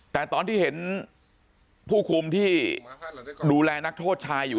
แต่ตอนที่เห็นผู้คุมที่ดูแลนักโทษชายอยู่